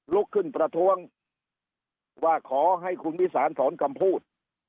ลุกขึ้นประท้วงว่าขอให้คุณวิสานถอนคำพูด